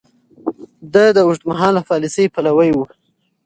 ده د اوږدمهاله پاليسۍ پلوی و.